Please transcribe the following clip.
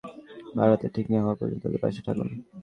তার হাত ঠিক না হওয়া পর্যন্ত, তাদের পাশে থাকুন।